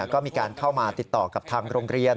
ก็มีการเข้ามาติดต่อกับทางโรงเรียน